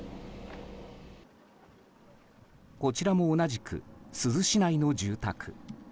こちらも同じく珠洲市内の住宅。